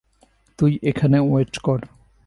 তুই এখানে ওয়েট কর।